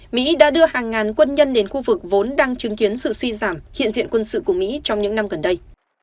mỹ đã đưa hàng ngàn quân nhân đến khu vực vốn đang chứng kiến sự suy giảm hiện diện quân sự của mỹ trong những năm gần đây